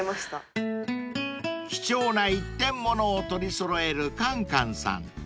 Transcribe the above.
［貴重な一点物を取り揃えるかんかんさん］